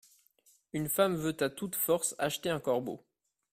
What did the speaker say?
Une femme veut à toute force acheter un corbeau.